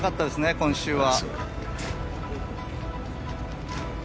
今週は。